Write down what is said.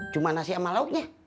cuma nasi sama lautnya